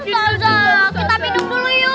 ustazah kita minum dulu yuk